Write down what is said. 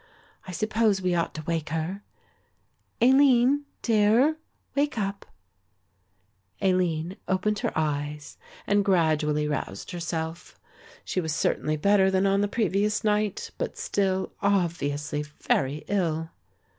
"I suppose we ought to wake her, Aline, dear, wake up." Aline opened her eyes and gradually roused herself. She was certainly better than on the previous night, but still obviously very ill.